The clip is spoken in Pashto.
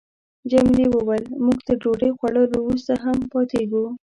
جميلې وويل: موږ تر ډوډۍ خوړلو وروسته هم پاتېږو.